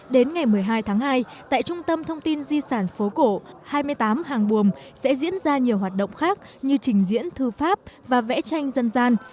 đến ngày một mươi hai tháng hai tại trung tâm thông tin di sản phố cổ hai mươi tám hàng buồm sẽ diễn ra nhiều hoạt động khác như trình diễn thư pháp và vẽ tranh dân gian